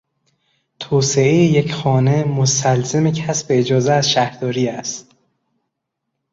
توسعهی یک خانه مستلزم کسب اجازه از شهرداری است.